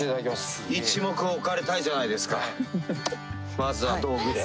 まずは道具で。